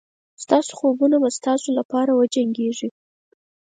ستاسو خوبونه به ستاسو لپاره وجنګېږي.